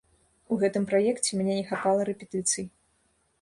У гэтым праекце мне не хапала рэпетыцый.